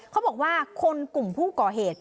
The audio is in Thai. เขาบอกว่าคนกลุ่มผู้ก่อเหตุ